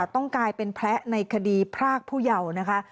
ต้องกลายเป็นแพ้ในคดีพรากผู้เยาว์นะคะ